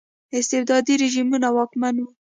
استبدادي رژیمونه واکمن وو.